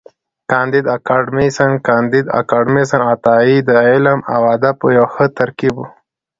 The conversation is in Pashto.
کانديد اکاډميسن کانديد اکاډميسن عطایي د علم او ادب یو ښه ترکیب و.